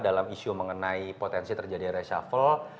dalam isu mengenai potensi terjadi reshuffle